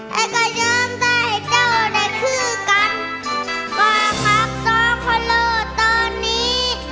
และก็ย้ำได้เจ้าได้คู่กันก็คับสองคนเราตอนนี้